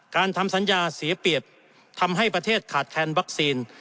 ทำสัญญาเสียเปรียบทำให้ประเทศขาดแคลนวัคซีน